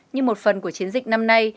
như một phần của chiến dịch năm nay